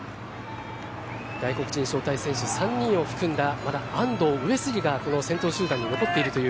外国人招待選手３人を含んだ安藤、上杉がこの先頭集団に残っているという。